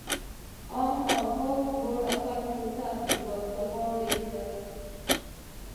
عام او خاص دواړو خلکو ته ورترغاړه کړي.